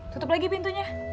tutup lagi pintunya